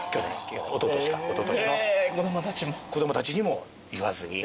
子供たちにも言わずに。